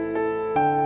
gak ada apa apa